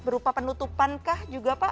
berupa penutupankah juga pak